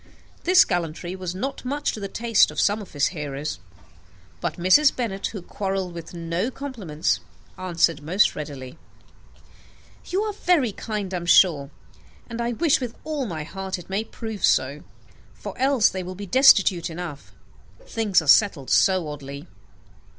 This gallantry was not much to the taste of some of his hearers; but Mrs. Bennet, who quarrelled with no compliments, answered most readily, "You are very kind, sir, I am sure; and I wish with all my heart it may prove so; for else they will be destitute enough. Things are settled so oddly."